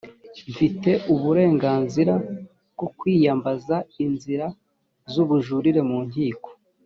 mfite uburenganzira bwo kwiyambaza inzira z ubujurire mu nkiko